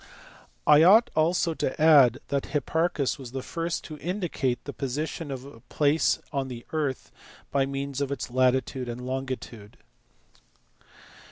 HERO OF ALEXANDRIA. 89 I ought also to add that Hipparchus was the first to in dicate the position of a place on the earth by means of its latitude and longitude.